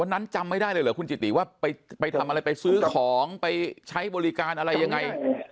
จำไม่ได้เลยเหรอคุณจิติว่าไปทำอะไรไปซื้อของไปใช้บริการอะไรยังไง